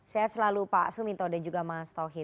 saya selalu pak suminto dan juga mas tauhid